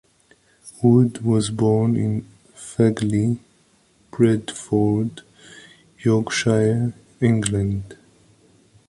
Wood was born in Fagley, Bradford, Yorkshire, England.